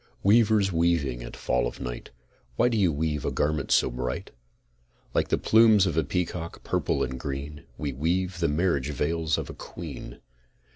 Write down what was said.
Weavers, weaving at fall of night, Why do you weave a garment so bright? ... Like the plumes of a peacock, purple and green, We weave the marriage veils of a queen.